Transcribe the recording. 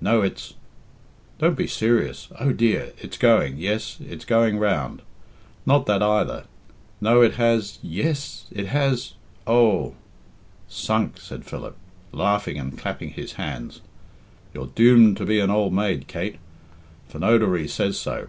No, it's " "Do be serious. Oh, dear! it's going yes, it's going round. Not that either. No, it has yes, it has oh!" "Sunk!" said Philip, laughing and clapping his hands. "You're doomed to be an old maid, Kate. Phonodoree says so."